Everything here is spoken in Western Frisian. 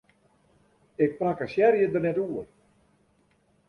Ik prakkesearje der net oer!